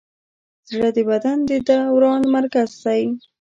زړه د بدن د دوران مرکز دی.